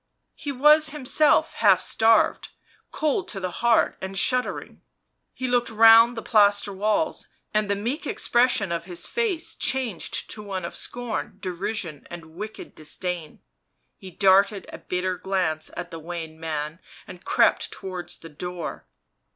He was himself half starved, cold to the heart and shuddering ; he looked round the plaster walls, and the meek expression of his face changed to one of scorn, derision and wicked disdain ; he darted a bitter glance at the wan man, and crept towards the door.